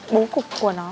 bố cục của nó